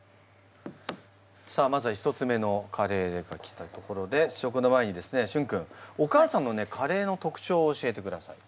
さあまずは１つ目のカレーが来たところで試食の前にですねしゅん君お母さんのねカレーの特徴を教えてください。